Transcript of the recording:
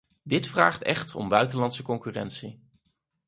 Dit vraagt echt om buitenlandse concurrentie.